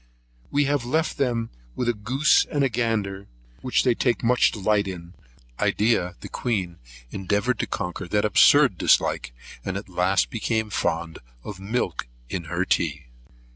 We have left them a goose and a gander, which they take a great delight in. Edea, the Queen, endeavoured to conquer that absurd dislike, and at last became fond of milk in her tea.